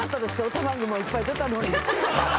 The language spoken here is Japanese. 「歌番組もいっぱい出たのに」